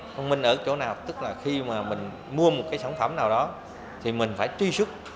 thông minh ở chỗ nào tức là khi mà mình mua một cái sản phẩm nào đó thì mình phải truy xuất